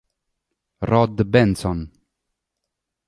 Rod Benson